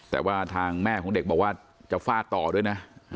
แต่ว่าทางแม่ของเด็กบอกว่าจะฟาดต่อด้วยนะ